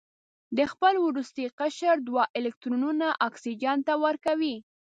د خپل وروستي قشر دوه الکترونونه اکسیجن ته ورکوي.